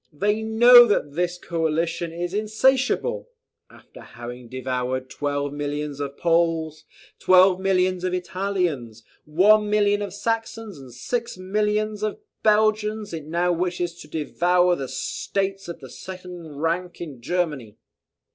They know that this coalition is insatiable! After having devoured twelve millions of Poles, twelve millions of Italians, one million of Saxons, and six millions of Belgians, it now wishes to devour the states of the second rank in Germany.